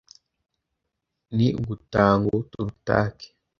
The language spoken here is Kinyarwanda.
Ni ugutaha ngo turutake.